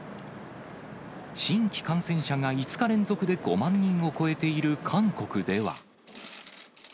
新規感染者が５日連続で５万人を超えている韓国では。